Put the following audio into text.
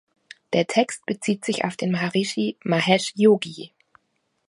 Der Text bezieht sich auf den Maharishi Mahesh Yogi.